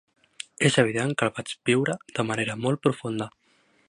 És evident que el vaig viure de manera molt profunda.